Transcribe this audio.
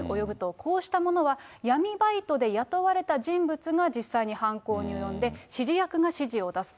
こうしたものは、闇バイトで雇われた人物が実際に犯行に及んで、指示役が指示を出すと。